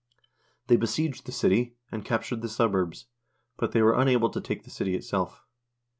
They besieged the city, and captured the suburbs, but they were unable to take the city itself.